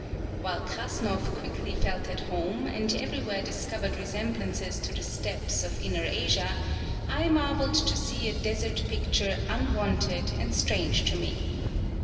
While Krassnoff quickly felt at home and everywhere discovered resemblances to the steppes of inner Asia, I marveled to see a desert picture unwonted and strange to me.